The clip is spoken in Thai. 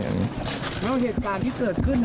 แล้วเหตุการณ์ที่เกิดขึ้น